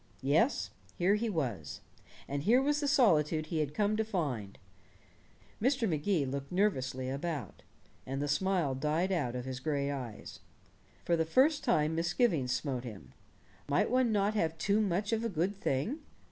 Yes, here he was. And here was the solitude he had come to find. Mr. Magee looked nervously about, and the smile died out of his gray eyes. For the first time misgivings smote him. Might one not have too much of a good thing?